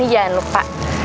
ini jangan lupa